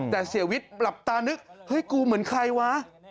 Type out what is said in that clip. แต่เสียวิทย์หลับตานึกเฮ้ยกูเหมือนใครวะ